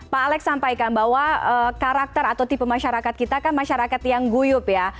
pak alex sampaikan bahwa karakter atau tipe masyarakat kita kan masyarakat yang guyup ya